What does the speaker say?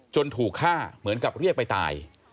ถูกฆ่าเหมือนกับเรียกไปตาย